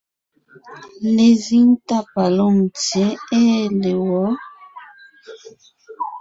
Lezíŋ tá pa Lôŋtsyě ée le wɔ̌?